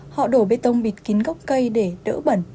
họ đổ bê tông bịt kín gốc cây để đỡ bẩn